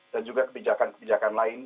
dan juga kebijakan kebijakan lain